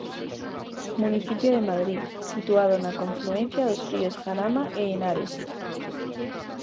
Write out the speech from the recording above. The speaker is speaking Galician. Municipio de Madrid, situado na confluencia dos ríos Jarama e Henares.